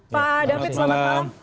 pak david selamat malam